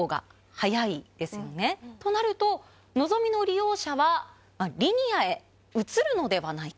箸覆襪のぞみの利用者はリニアへ移るのではないか。